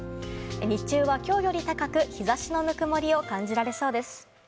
日中は今日より高く日差しのぬくもりを感じられそうです。